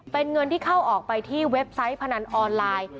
เป็นเงินที่เข้าออกไปที่เว็บไซต์พนันออนไลน์